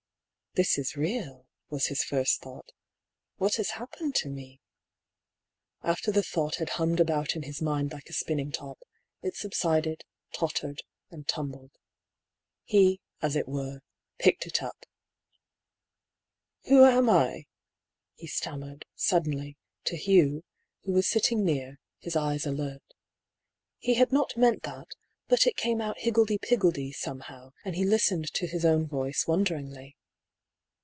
" This is real," was his first thought. " What has happened to me ?" After the thought had hummed about in his mind like a spinning top, it subsided, tottered, and tumbled. He, as it were, picked it up. 10 BR. PAULL'S THEORY. " Who am I ?" he stammered, suddenly, to Hugh, who was sitting near, his eyes alert. He had not meant that, but it came out higgledy piggledy, somehow, and he listened to his own voice wonderingly.